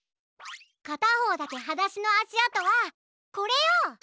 かたほうだけはだしのあしあとはこれよ！